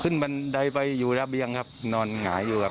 บันไดไปอยู่ระเบียงครับนอนหงายอยู่ครับ